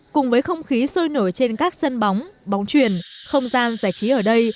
cùng với không khí sôi nổi trên các sân bóng bóng truyền không gian giải trí ở đây